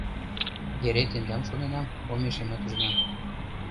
Эре тендам шоненам, омешемат ужынам